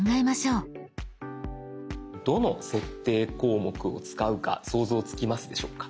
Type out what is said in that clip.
どの設定項目を使うか想像つきますでしょうか？